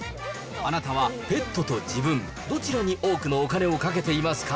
あなたはペットと自分、どちらに多くのお金をかけていますか？